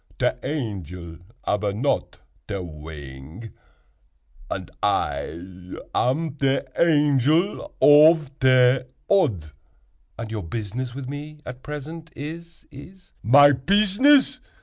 Te angel ab not te wing, and I am te Angel ov te Odd." "And your business with me at present is—is—" "My pizzness!"